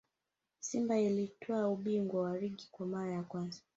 simba ilitwaa ubingwa wa ligi kwa mara ya kwanza